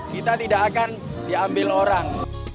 kita tidak akan diambil orang